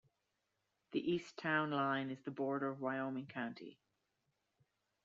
The east town line is the border of Wyoming County.